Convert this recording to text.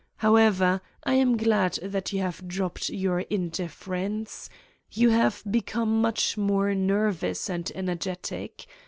However, I am glad that you have dropped your indifference: you have become, much more nervous and ener getic.